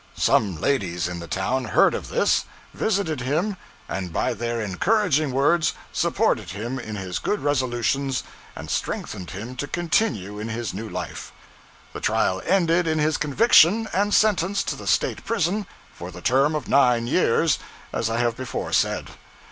Some ladies in the town heard of this, visited him, and by their encouraging words supported him in his good resolutions and strengthened him to continue in his new life. The trial ended in his conviction and sentence to the State prison for the term of nine years, as I have before said.